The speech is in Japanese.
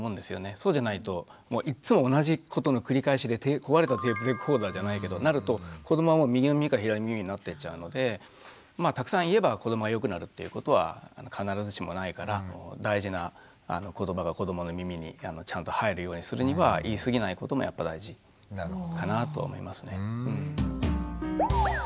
そうじゃないといっつも同じことの繰り返しで壊れたテープレコーダーじゃないけどなると子どもはもう右の耳から左の耳になってっちゃうのでまあたくさん言えば子どもはよくなるっていうことは必ずしもないから大事な言葉が子どもの耳にちゃんと入るようにするには言い過ぎないこともやっぱ大事かなとは思いますね。